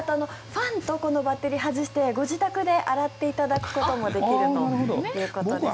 ファンとこのバッテリーを外してご自宅で洗っていただくこともできるということです。